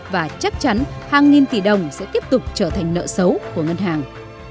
và chắc chắn hàng nghìn tỷ đồng sẽ tiếp tục trở thành nợ xấu của ngân hàng